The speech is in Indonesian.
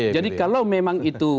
jadi kalau memang itu